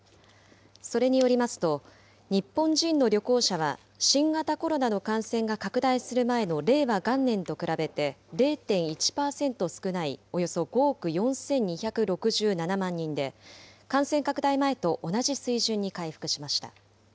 それによりますと、日本人の旅行者は、新型コロナの感染が拡大する前の令和元年と比べて０．１％少ない、およそ５億４２６７万人で、感染拡大前と同じ水準に回復しました。